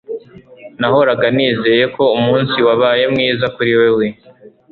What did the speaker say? nahoraga nizeye ko umunsi wabaye mwiza kuri wewe